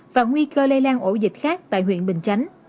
và nguy cơ lây lan ổ dịch khác tại huyện bình chánh